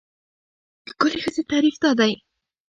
د ښکلې ښځې تعریف دا دی.